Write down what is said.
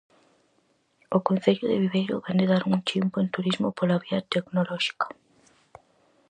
O Concello de Viveiro vén de dar un chimpo en turismo pola vía tecnolóxica.